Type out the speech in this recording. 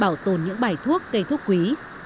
bảo tồn những bài thuốc cây thuốc quý